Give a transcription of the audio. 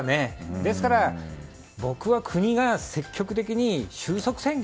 ですから僕は国が積極的に終息宣言